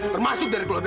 termasuk dari keluarga lo